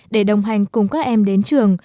để đồng hành cùng các em đến trường